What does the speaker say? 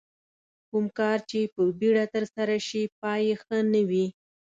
کوم کار چې په بیړه ترسره شي پای یې ښه نه وي.